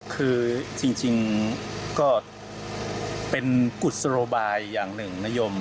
คือจริงก็เป็นกุศโลบายอย่างหนึ่งนโยม